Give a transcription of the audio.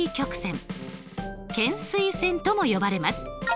懸垂線とも呼ばれます。